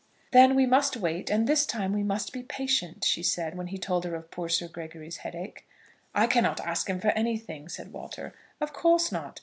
"Then we must wait, and this time we must be patient," she said, when he told her of poor Sir Gregory's headache. "I cannot ask him for anything," said Walter. "Of course not.